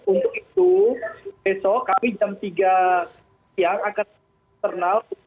untuk itu besok kami jam tiga siang akan internal